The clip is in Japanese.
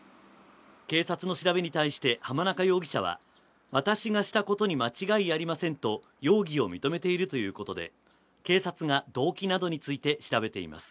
警察の調べに対して濱中容疑者は私がしたことに間違いありませんと容疑を認めているということで警察が動機などについて調べています